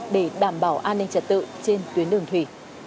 để đảm bảo an ninh trật tự trên tuyến đường thủy